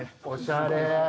おしゃれ。